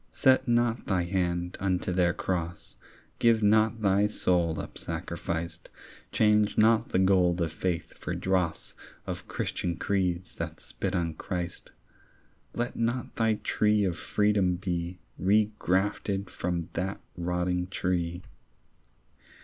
Set not thine hand unto their cross. Give not thy soul up sacrificed. Change not the gold of faith for dross Of Christian creeds that spit on Christ. Let not thy tree of freedom be Regrafted from that rotting tree.